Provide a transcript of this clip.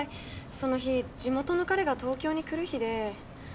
その日地元の彼が東京に来る日で。